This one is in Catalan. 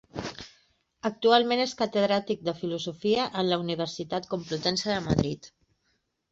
Actualment és catedràtic de Filosofia en la Universitat Complutense de Madrid.